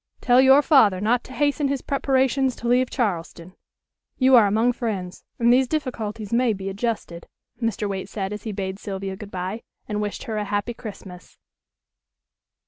"Tell your father not to hasten his preparations to leave Charleston; you are among friends, and these difficulties may be adjusted," Mr. Waite said as he bade Sylvia good bye, and wished her a happy Christmas.